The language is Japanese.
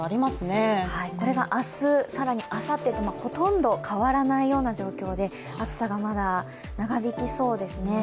これが明日あさってとほとんど変わらないような状況で暑さがまだ長引きそうですね。